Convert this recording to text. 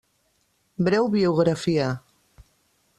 Breu biografia.